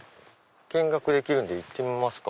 見学できるんで行ってみますか。